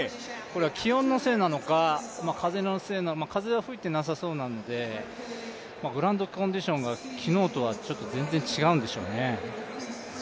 気温のせいなのか、風は吹いてなさそうなのでグラウンドコンディションが昨日とは全然違うんでしょうね。